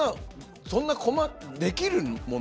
そんな細かくできるもの？